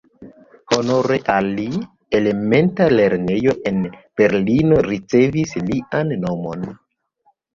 Honore al li, elementa lernejo en Berlino ricevis lian nomon.